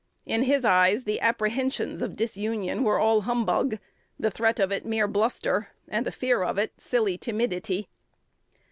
In his eyes, the apprehensions of disunion were a "humbug;" the threat of it mere bluster, and the fear of it silly timidity.